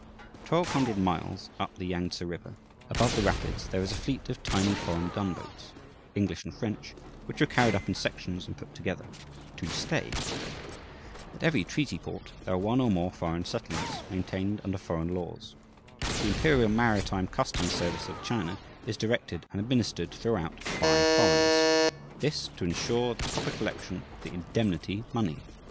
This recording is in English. Twelve hundred miles up the Yangtse River, above the rapids, there is a fleet of tiny foreign gunboats, English and French, which were carried up in sections and put together "to stay." At every treaty port there are one or more foreign settlements, maintained under foreign laws. The Imperial Maritime Customs Service of China is directed and administered throughout by foreigners; this, to insure the proper collection of the "indemnity" money.